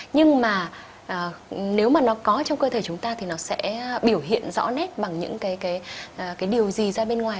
nhưng mà nếu mà nó có trong cơ thể chúng ta thì nó sẽ biểu hiện rõ nét bằng những cái điều gì ra bên ngoài